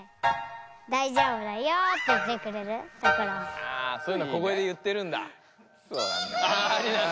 あそういうの小声で言ってるんだ。